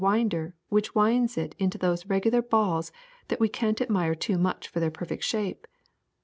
• t i • i • j Winder, which winds it into those regular balls that we can't admire too much for their perfect shape.